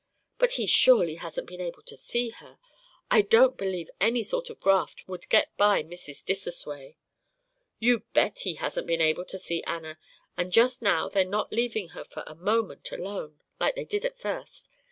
"But he surely hasn't been able to see her? I don't believe any sort of graft would get by Mrs. Dissosway " "You bet he hasn't been able to see Anna, and just now they're not leaving her for a moment alone, like they did at first.